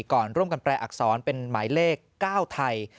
ก่อนร่วมกันแปลอักษรเป็นหมายเลข๙ไทย